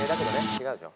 違うでしょ。